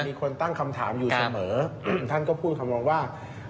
มีคนตั้งคำถามอยู่เสมอท่านก็พูดคำนองว่า